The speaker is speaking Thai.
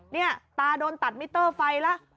นี่ตาโดนตัดมิเตอร์ไฟแล้ว